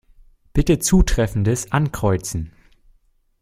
Bitte Zutreffendes Ankreuzen.